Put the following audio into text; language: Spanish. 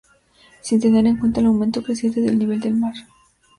sin tener en cuenta el aumento creciente del nivel del mar